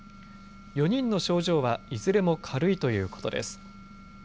４人の症状はいずれも軽いということです。